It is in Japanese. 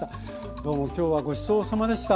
どうも今日はごちそうさまでした。